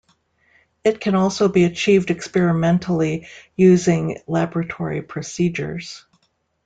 It can also be achieved experimentally using laboratory procedures.